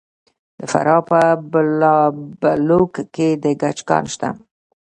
د فراه په بالابلوک کې د ګچ کان شته.